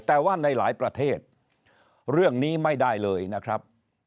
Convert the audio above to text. แต่ว่าในหลายประเทศเรื่องนี้ไม่ได้เลยนะครับ